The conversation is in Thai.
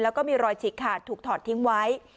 แล้วก็มีรอยฉีกขาดถูกถอดทิ้งไว้